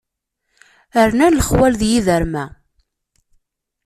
Rnan lexwal d yiderma.